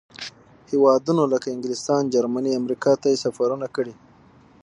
هېوادونو لکه انګلستان، جرمني، امریکا ته سفرونه کړي.